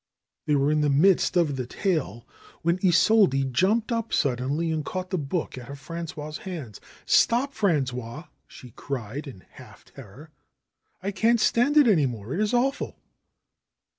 They were in the midst of the tale when Isolde jumped up suddenly and caught the book out of Frangois' hands. ^'Stop, Frangois !" she cried in a half terror. ^T can't stand it any more. It is awful